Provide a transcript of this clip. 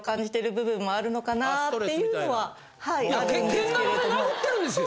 けん玉で殴ってるんですよ？